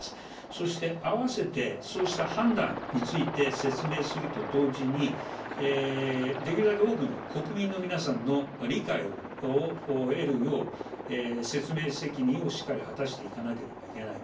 そして併せてそうした判断について説明すると同時に、できるだけ多くの国民の皆さんの理解を得るよう、説明責任をしっかり果たしていかなければいけない。